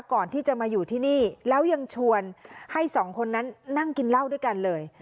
ก่อนที่จะมาอยู่ที่นี่แล้วยังชวนให้สองคนนั้นนั่งกินเหล้าด้วยกันเลย